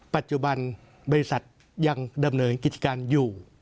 ปัจจุบันบริษัทยังดำเนินกิจการอยู่